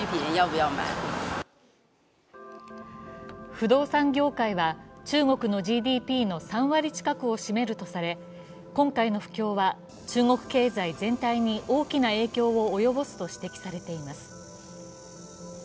不動産業界は中国のＧＤＰの３割近くを占めるとされ、今回の不況は、中国経済全体に大きな影響を及ぼすと指摘されています。